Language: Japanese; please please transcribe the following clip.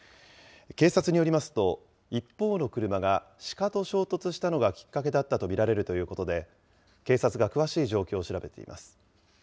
警察によりますと、一方の車がシカと衝突したのがきっかけだったと見られるということで、警察が詳しい状況を調べています。